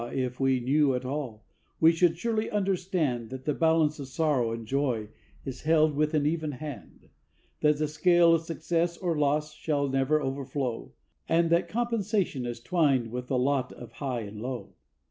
if we knew it all, we should surely understand That the balance of sorrow and joy is held with an even hand, That the scale of success or loss shall never overflow, And that compensation is twined with the lot of high and low.